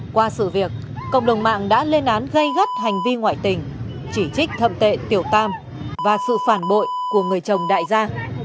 qua sự việc cộng đồng mạng đã lên án gây gắt hành vi ngoại tình chỉ trích thậm tệ tiểu tam và sự phản bội của người chồng đại gia